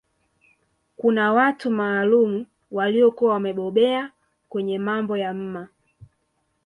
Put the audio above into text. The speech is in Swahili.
Kuna watu maalum waliokuwa wamebobea kwenye mambo ya mma